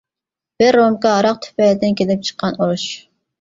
بىر رومكا ھاراق تۈپەيلىدىن كېلىپ چىققان ئۇرۇش.